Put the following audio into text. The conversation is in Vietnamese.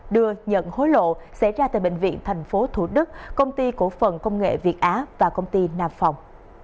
đưa nhận hối lộ xảy ra tại bệnh viện tp thủ đức công ty cổ phần công nghệ việt á và công ty nam phòng